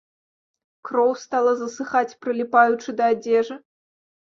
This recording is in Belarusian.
Кроў стала засыхаць, прыліпаючы да адзежы.